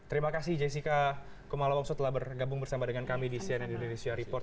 terima kasih jessica kumala wongso telah bergabung bersama dengan kami di cnn indonesia report